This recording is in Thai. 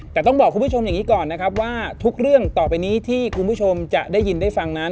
แต่ต้องบอกคุณผู้ชมอย่างนี้ก่อนนะครับว่าทุกเรื่องต่อไปนี้ที่คุณผู้ชมจะได้ยินได้ฟังนั้น